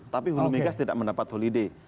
tapi hulu migas tidak mendapat holiday